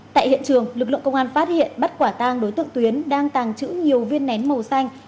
tại hiện trường lực lượng công an phát hiện bắt quả tang đối tượng tuyến đang tàng trữ nhiều viên nén màu xanh